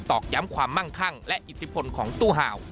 อกย้ำความมั่งคั่งและอิทธิพลของตู้ห่าว